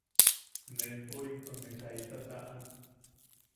Nejpo into ne kaita taʼan: